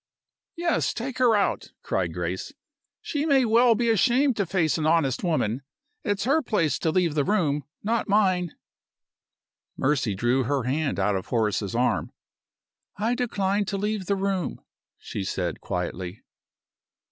"Yes! Take her out!" cried Grace. "She may well be ashamed to face an honest woman. It's her place to leave the room not mine!" Mercy drew her hand out of Horace's arm. "I decline to leave the room," she said, quietly.